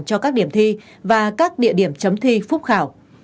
cho các điểm thi và các địa điểm chấm thi phúc khảo